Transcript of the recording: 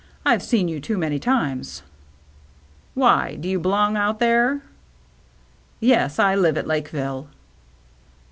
I've seen you too many times." " Why, do you b'long out there ?"« Yes, I live at Lakeville."